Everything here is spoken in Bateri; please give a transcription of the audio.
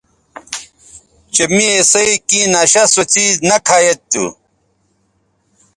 چہء می اِسئ کیں نشہ سو څیز نہ کھہ ید تھو